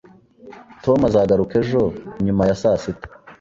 Tom azagaruka ejo nyuma ya saa sita